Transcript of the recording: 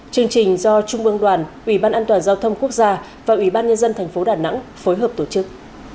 chương trình do trung ương đoàn ủy ban an toàn giao thông quốc gia và ủy ban nhân dân thành phố đà nẵng phối hợp tổ chức